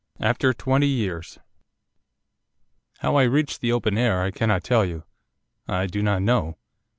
AFTER TWENTY YEARS 'How I reached the open air I cannot tell you, I do not know.